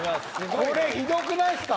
これひどくないっすか？